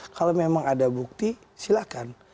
kalau memang ada bukti silakan